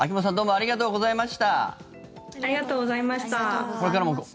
ありがとうございます。